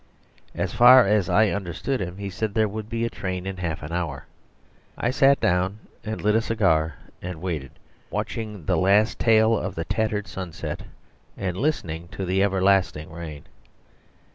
As far as I understood him, he said there would be a train in half an hour. I sat down and lit a cigar and waited, watching the last tail of the tattered sunset and listening to the everlasting rain.